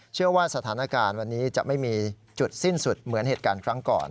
เชื่อว่าสถานการณ์วันนี้จะไม่มีจุดสิ้นสุดเหมือนเหตุการณ์ครั้งก่อน